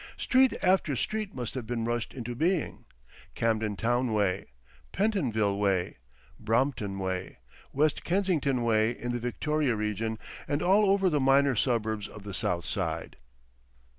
Street after street must have been rushed into being, Campden Town way, Pentonville way, Brompton way, West Kensington way in the Victoria region and all over the minor suburbs of the south side.